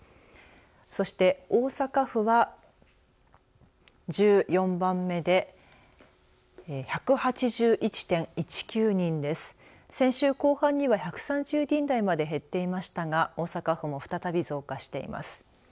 そして、大阪府は先週後半には１３０人台まで減っていましたが大阪府も再び増加しています。